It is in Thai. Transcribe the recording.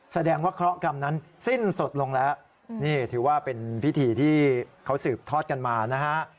แสดงว่าเคราะหกรรมนั้นสิ้นสุดลงแล้วนี่ถือว่าเป็นพิธีที่เขาสืบทอดกันมานะฮะ